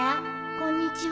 こんにちは。